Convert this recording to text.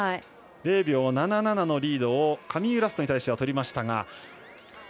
０秒７７のリードをカミーユ・ラストに対してはとりましたが。